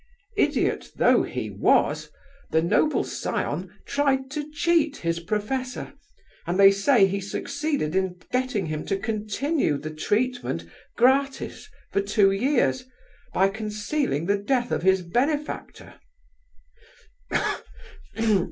Idiot though he was, the noble scion tried to cheat his professor, and they say he succeeded in getting him to continue the treatment gratis for two years, by concealing the death of his benefactor.